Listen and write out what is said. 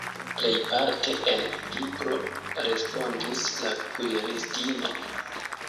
"Plejparte el pipro," respondis la kuiristino.